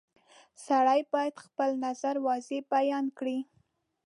• سړی باید خپل نظر واضح بیان کړي.